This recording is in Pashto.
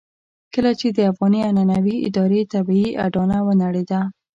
کله چې د افغاني عنعنوي ادارې طبيعي اډانه ونړېده.